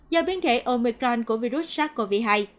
do biến thể omicron của virus sars cov hai